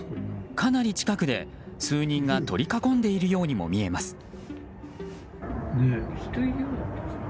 かなり近くで数人が取り囲んでいるようにも見えます。